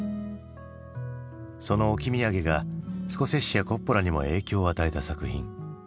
その置き土産がスコセッシやコッポラにも影響を与えた作品。